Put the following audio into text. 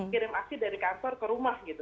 kirim aksi dari kantor ke rumah gitu